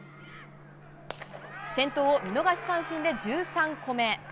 先頭を見逃し三振で１３個目。